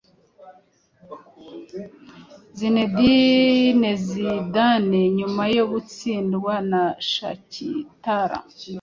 Zinedine Zidane nyuma yo gutsindwa na Shakhtar